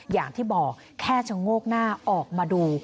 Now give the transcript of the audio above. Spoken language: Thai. อย่างที่บอกแค่ชะโงกหน้าออกมาดู